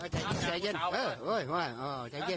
จัยเย็นจ๋าวโอ้ยไว้อ่อจัยเย็น